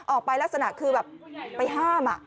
ลักษณะคือแบบไปห้าม